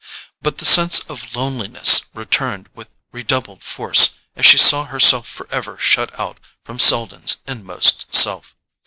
But the sense of loneliness returned with redoubled force as she saw herself forever shut out from Selden's inmost self.